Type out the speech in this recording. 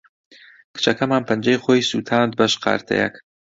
کچەکەمان پەنجەی خۆی سووتاند بە شقارتەیەک.